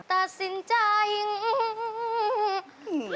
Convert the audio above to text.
ตัดสินใจอืมอืมอืม